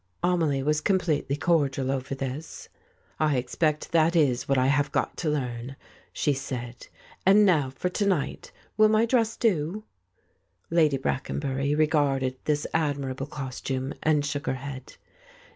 Amelie was completely cordial over this. "I expect that is what I have got to learn," she said. "And now for to night — will my dress do?" Lady Brackenbury regarded this admirable costume and shook her head.